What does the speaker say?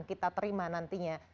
kita terima nantinya